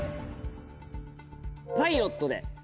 パイロットで。